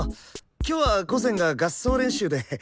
今日は午前が合奏練習で。